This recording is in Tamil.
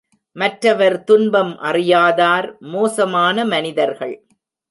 மற்றவர் துன்பம் அறியாதார் மோசமான மனிதர்கள்.